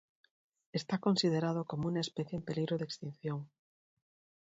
Está considerado como una especie en peligro de extinción.